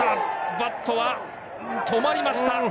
バットは止まりました。